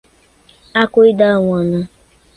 Aquidauana